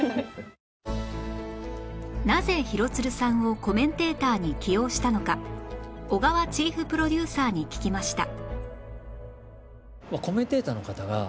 なぜ廣津留さんをコメンテーターに起用したのか小川チーフプロデューサーに聞きました